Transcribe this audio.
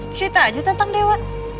cerita aja tentang dewa